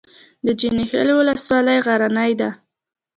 د جاني خیل ولسوالۍ غرنۍ ده